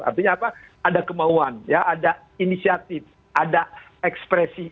artinya apa ada kemauan ya ada inisiatif ada ekspresi